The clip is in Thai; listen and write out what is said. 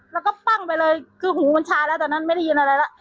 แล้วก็ปั้งไปเลยคือหูมันชาแล้วตอนนั้นไม่ได้ยินอะไรแล้ว